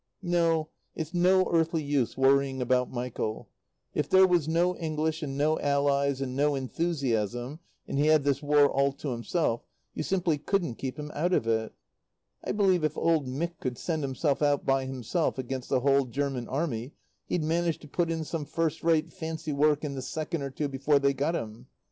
No; it's no earthly use worrying about Michael. If there was no English and no Allies and no Enthusiasm, and he had this War all to himself, you simply couldn't keep him out of it. I believe if old Mick could send himself out by himself against the whole German Army he'd manage to put in some first rate fancy work in the second or two before they got him.